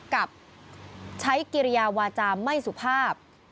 กับใช้กิริยาวาจาไม่สุภาพ